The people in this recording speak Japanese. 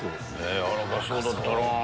軟らかそうだったなぁ。